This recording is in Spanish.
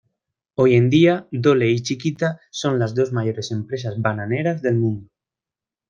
Hoy en día Dole y Chiquita son las dos mayores empresas bananeras del mundo.